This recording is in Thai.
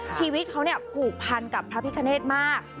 ชีวิตเขาผูกพันกับพระพิคเนธมาก